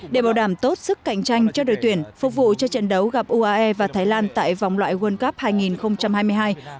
để bảo đảm tốt sức cạnh tranh cho đội tuyển phục vụ cho trận đấu gặp uae và thái lan tại vòng loại world cup hai nghìn hai mươi hai